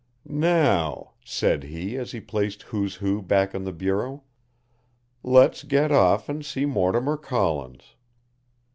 "Now," said he, as he placed "Who's Who" back on the bureau, "let's get off and see Mortimer Collins."